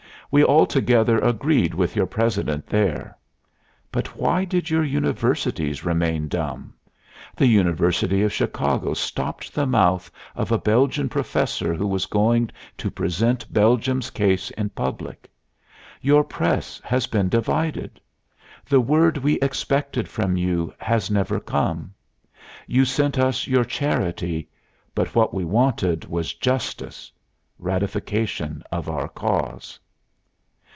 We altogether agreed with your President there. But why did your universities remain dumb? The University of Chicago stopped the mouth of a Belgian professor who was going to present Belgium's case in public. Your press has been divided. The word we expected from you has never come. You sent us your charity; but what we wanted was justice, ratification of our cause."